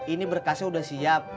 ini berkasnya udah siap